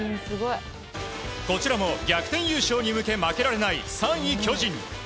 こちらも逆転優勝に向け負けられない３位、巨人。